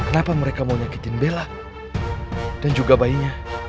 papa tolongin tante bella dan bayinya